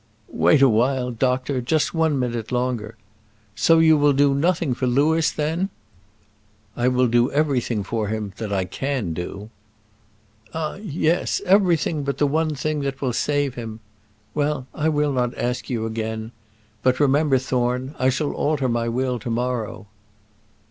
"Wait a while, doctor; just one minute longer. So you will do nothing for Louis, then?" "I will do everything for him that I can do." "Ah, yes! everything but the one thing that will save him. Well, I will not ask you again. But remember, Thorne, I shall alter my will to morrow."